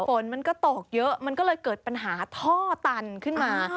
ฝนมันก็ตกเยอะมันก็เลยเกิดปัญหาท่อตันขึ้นมา